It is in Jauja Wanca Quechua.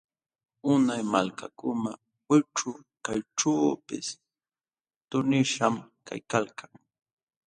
Unay malkakuna wikćhu kayćhuupis tuqnishqam kaykalkan.